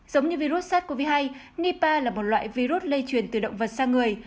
giống như virus sars cov hai nipa là một loại virus lây truyền từ động vật sang người